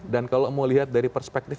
dan kalau mau lihat dari perspektif